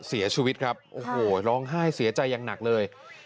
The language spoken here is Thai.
เสียชีวิตครับโอ้โหร้องไห้เสียใจอย่างหนักเลย